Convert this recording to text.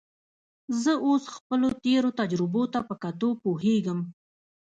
زه اوس خپلو تېرو تجربو ته په کتو پوهېږم.